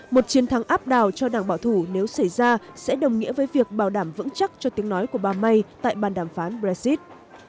một chiến thắng áp đảo cho đảng bảo thủ nếu xảy ra sẽ đồng nghĩa với việc bảo đảm vững chắc cho tiếng nói của bà may tại bàn đàm phán brexit